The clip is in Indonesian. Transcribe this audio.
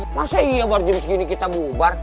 masa iya baru jam segini kita bubar